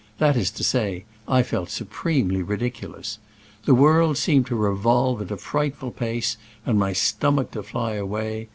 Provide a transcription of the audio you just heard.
That is to say, I felt supremely ridiculous. The world seemed to revolve at a fright ful pace and my stomach to fly away.